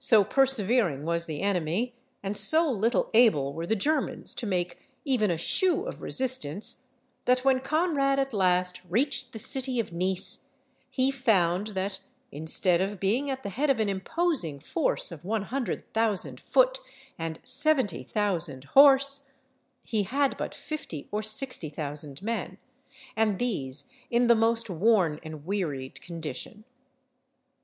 So persevering was the enemy, and so little able were the Germans to make even a shew of resistance, that when Conrad at last reached the city of Nice, he found that, instead of being at the head of an imposing force of one hundred thousand foot and seventy thousand horse, he had but fifty or sixty thousand men, and these in the most worn and wearied condition.